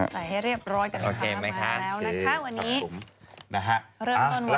ใส่ให้เรียบร้อยกับข้าวมาแล้วนะคะวันนี้เริ่มต้นวงกันกันเลย